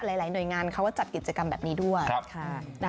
หลายหน่วยงานเขาก็จัดกิจกรรมแบบนี้ด้วย